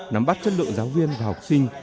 nắm bắt chất lượng giáo viên và học sinh